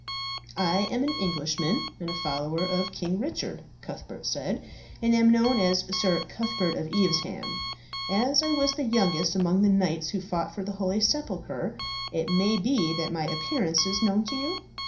"I am an Englishman, and a follower of King Richard," Cuthbert said, "and am known as Sir Cuthbert of Evesham. As I was the youngest among the knights who fought for the holy sepulchre, it may be that my appearance is known to you?"